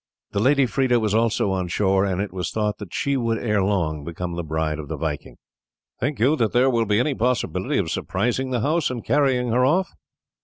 The lady Freda was also on shore, and it was thought that she would ere long become the bride of the Viking. "Think you that there will be any possibility of surprising the house and carrying her off?"